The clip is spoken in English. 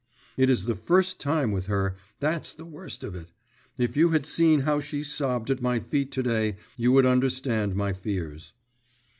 It is the first time with her, that's the worst of it! If you had seen how she sobbed at my feet to day, you would understand my fears.